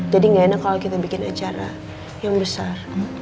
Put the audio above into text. jadi gak enak kalau kita bikin acara yang besar